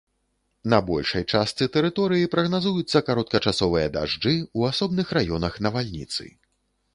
На большай частцы тэрыторыі прагназуюцца кароткачасовыя дажджы, у асобных раёнах навальніцы.